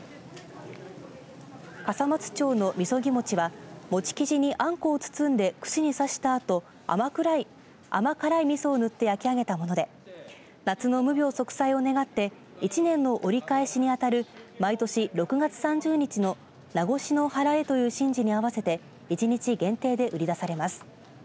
笠松町のみそぎ餅は餅生地にあんこを包んで串に刺したあと甘辛いみそを塗って焼き上げたもので夏の無病息災を願って１年の折り返しに当たる毎年６月３０日の夏越しのはらえという神事に合わせて１日限定で売り出されます。